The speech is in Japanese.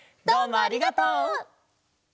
どうもありがとう！